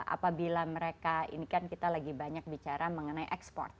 apabila mereka ini kan kita lagi banyak bicara mengenai ekspor